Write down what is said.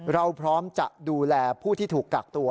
เราพร้อมจะดูแลผู้ที่ถูกกักตัว